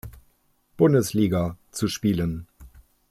Bundesliga zu spielen.